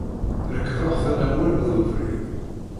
Rekkḍeɣ-ten am waluḍ ubrid.